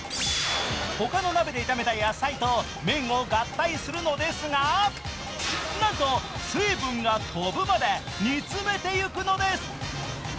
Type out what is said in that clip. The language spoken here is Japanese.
他の鍋で炒めた野菜と麺を合体するのですが、なんと水分が飛ぶまで煮詰めていくのです。